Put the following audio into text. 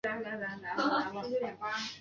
一切安顿完成